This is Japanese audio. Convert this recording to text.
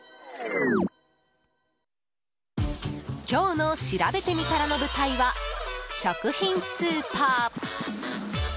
今日のしらべてみたらの舞台は食品スーパー。